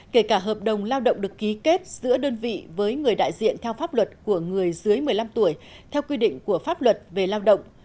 kể cả hợp đồng lao động được ký kết giữa đơn vị với người đại diện theo pháp luật của người dưới một mươi năm tuổi theo quy định của pháp luật về lao động